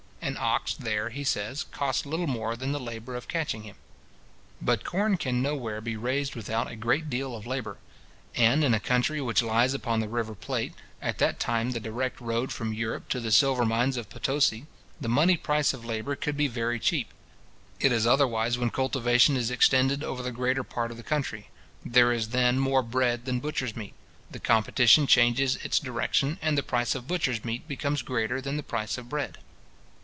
An ox there, he says, costs little more than the labour of catching him. But corn can nowhere be raised without a great deal of labour; and in a country which lies upon the river Plate, at that time the direct road from Europe to the silver mines of Potosi, the money price of labour could be very cheap. It is otherwise when cultivation is extended over the greater part of the country. There is then more bread than butcher's meat. The competition changes its direction, and the price of butcher's meat becomes greater than the price of bread.